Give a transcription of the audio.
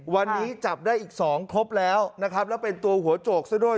วันนี้จับได้อีก๒ครบแล้วนะครับแล้วเป็นตัวหัวโจกซะด้วย